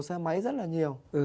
xe máy rất là nhiều